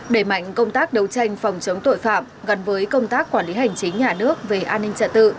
để mạnh công tác đấu tranh phòng chống tội phạm gần với công tác quản lý hành trí nhà nước về an ninh trạ tự